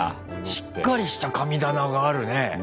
しっかりした神棚があるね。